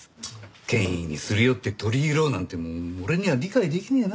権威にすり寄って取り入ろうなんて俺には理解できねえな。